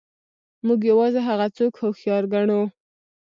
موږ یوازې هغه څوک هوښیار ګڼو.